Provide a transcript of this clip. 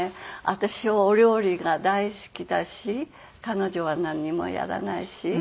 私お料理が大好きだし彼女はなんにもやらないし。